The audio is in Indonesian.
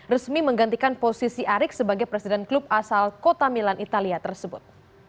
resmi menggantikan posisi erick sebagai presiden klub asal kota milan italia tersebut